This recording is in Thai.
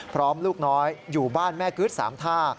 ลูกน้อยอยู่บ้านแม่กึ๊ด๓ท่า